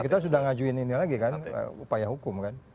kita sudah ngajuin ini lagi kan upaya hukum kan